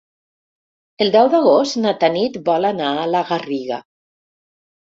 El deu d'agost na Tanit vol anar a la Garriga.